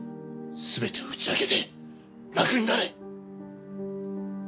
全てを打ち明けて楽になれ！